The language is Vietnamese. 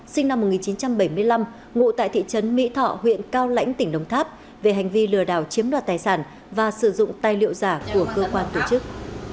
sinh năm một nghìn chín trăm bảy mươi năm ngụ tại thị trấn mỹ thọ huyện cao lãnh tỉnh đồng tháp về hành vi lừa đảo chiếm đoạt tài sản và sử dụng tài liệu giả của cơ quan tổ chức